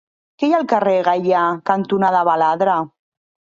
Què hi ha al carrer Gaià cantonada Baladre?